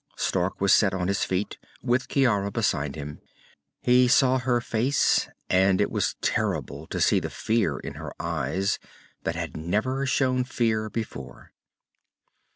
Stark was set on his feet, with Ciara beside him. He saw her face, and it was terrible to see the fear in her eyes, that had never shown fear before.